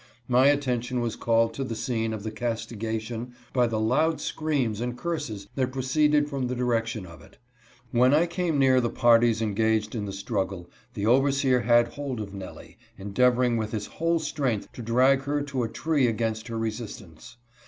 My attention was called to the scene of the castigation by the loud screams and curses that pro ceeded from the direction of it. When I came near the parties engaged in the struggle the overseer had hold of Nellie, endeavoring with his whole strength to drag her to a tree against her resistance.